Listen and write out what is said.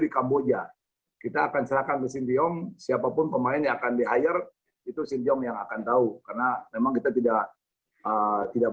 karena memang kita tidak